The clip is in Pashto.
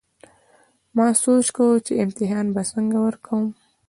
ما سوچ کوو چې امتحان به څنګه ورکوم